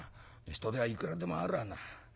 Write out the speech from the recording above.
人手はいくらでもあるわな。